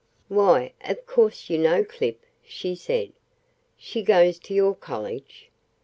"Why, of course you know Clip," she said. "She goes to your college."